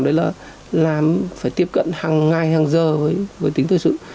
đấy là phải tiếp cận hàng ngày hàng giờ với tính thời sự